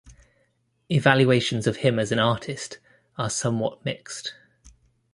Evaluations of him as an artist are somewhat mixed.